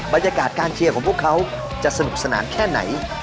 บรรยากาศการเชียร์ของพวกเขาจะสนุกสนานแค่ไหน